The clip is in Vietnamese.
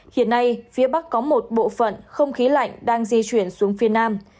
hiện nay phía bắc có một bộ phận không khí lạnh đang di chuyển xuống phía nam